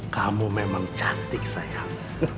kamu memang cantik sayang